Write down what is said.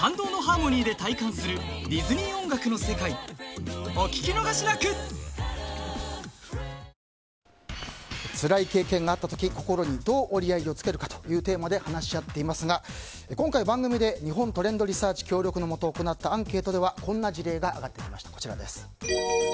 ここまではオードリー・ヘプバーンのつらい経験があった時、心にどう折り合いをつけるかというテーマで話し合っていますが今回番組で日本トレンドリサーチ協力のもと行ったアンケートではこんな事例が挙がってきました。